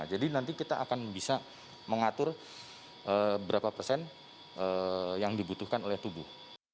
jadi nanti kita akan bisa mengatur berapa persen yang dibutuhkan oleh tubuh